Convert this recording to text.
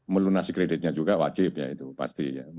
melunasi kreditnya juga wajib ya itu pasti ya